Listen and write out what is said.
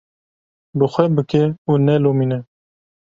Bi xwe bike û nelomîne.